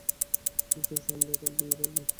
ফুলটুসি, আমরা কাল বিয়ে করবো!